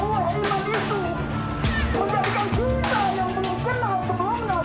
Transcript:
wah memang itu menjadikan kita yang belum kenal